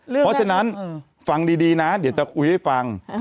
เพราะฉะนั้นฟังดีนะเดี๋ยวจะคุยให้ฟัง